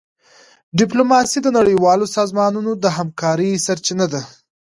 ډيپلوماسي د نړیوالو سازمانونو د همکارۍ سرچینه ده.